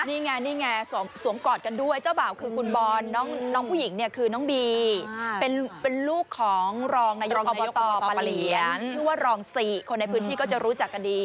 นี่ไงนี่ไงสวมกอดกันด้วยเจ้าบ่าวคือคุณบอลน้องผู้หญิงเนี่ยคือน้องบีเป็นลูกของรองนายกอบตปลาเหลียนชื่อว่ารอง๔คนในพื้นที่ก็จะรู้จักกันดี